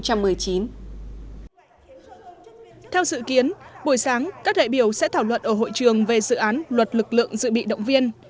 theo dự kiến buổi sáng các đại biểu sẽ thảo luận ở hội trường về dự án luật lực lượng dự bị động viên